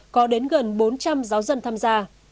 có hơn bốn trăm linh giáo dân tham gia